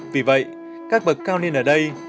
vì vậy các bậc cao niên ở đây